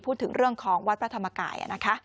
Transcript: พูดถึงเรื่องของวัดพระธรรมกาย